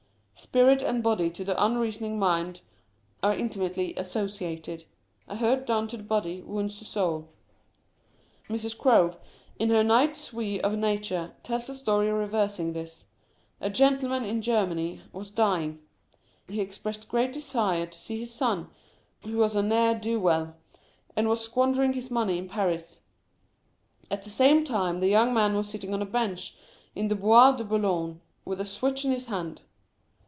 Spirit and body to the unreasoning mind are inti mately associated. A hurt done to the body wounds the soul. Mrs. Crowe, in her Night Suie of Nature, tells a story reversing this, A gentleman in Germany was dying — he expressed great desire to see his son, who was a ne'er do well, and was squandering his money in Paris. At that same time the young man was sitting on a bench in the Bois de Boulogne, with a switch in his hand.